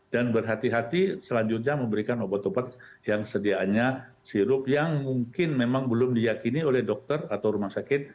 dan berhati hati selanjutnya memberikan obat obat yang sediaannya sirup yang mungkin memang belum diyakini oleh dokter atau rumah sakit